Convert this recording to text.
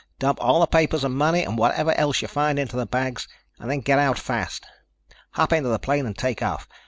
Dump all the papers and money and whatever else you find into the bags and then get out fast. Hop into the plane and take off.